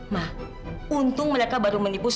ma untung mereka baru menipu satu ratus lima puluh orang